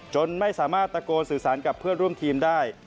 จนไม่สามารถตะโกนสื่อสารกับเพื่อนร่วมทีมได้